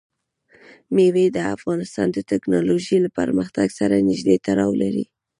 مېوې د افغانستان د تکنالوژۍ له پرمختګ سره نږدې تړاو لري.